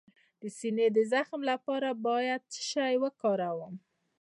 د سینې د زخم لپاره باید څه شی وکاروم؟